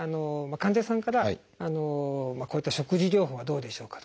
患者さんからこういった食事療法はどうでしょうかとかですね